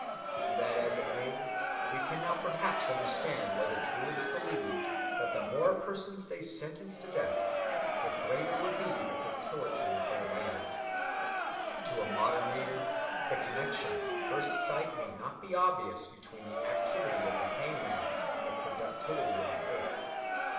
Be that as it may, we can now perhaps understand why the Druids believed that the more persons they sentenced to death, the greater would be the fertility of the land. To a modern reader the connexion at first sight may not be obvious between the activity of the hangman and the productivity of the earth.